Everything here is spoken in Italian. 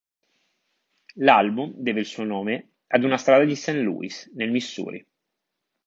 L'album deve il suo nome ad una strada di St. Louis, nel Missouri.